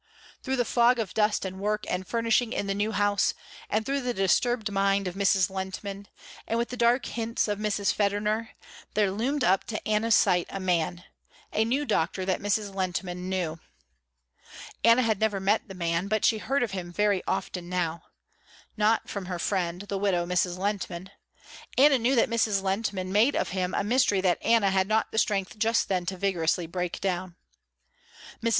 Through the fog of dust and work and furnishing in the new house, and through the disturbed mind of Mrs. Lehntman, and with the dark hints of Mrs. Federner, there loomed up to Anna's sight a man, a new doctor that Mrs. Lehntman knew. Anna had never met the man but she heard of him very often now. Not from her friend, the widow Mrs. Lehntman. Anna knew that Mrs. Lehntman made of him a mystery that Anna had not the strength just then to vigorously break down. Mrs.